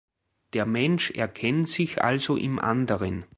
Der Mensch erkennt sich also im anderen.